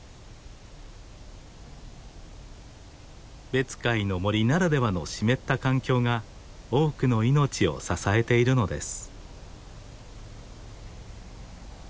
別海の森ならではの湿った環境が多くの命を支えているのです。